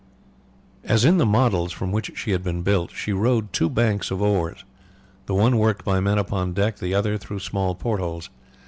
As in the models from which she had been built, she rowed two banks of oars, the one worked by men upon deck, the others through small port holes.